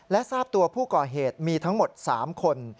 และทราบตัวผู้ก่อเหตุมีทั้งหมด๓คน